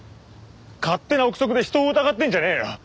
勝手な臆測で人を疑ってんじゃねえよ！